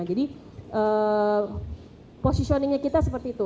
jadi positioningnya kita seperti itu